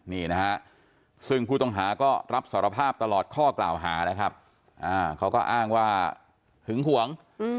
นี่นะฮะซึ่งผู้ต้องหาก็รับสารภาพตลอดข้อกล่าวหานะครับเขาก็อ้างว่าหึงหวง